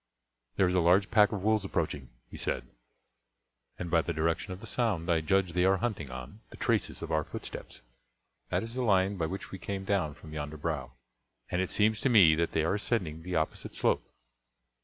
"There is a large pack of wolves approaching," he said, "and by the direction of the sound I judge they are hunting on the traces of our footsteps. That is the line by which we came down from yonder brow, and it seems to me that they are ascending the opposite slope."